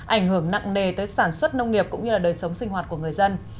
ảnh hưởng nặng nề tới sản xuất nông nghiệp cũng như là đời sống sinh hoạt của người dân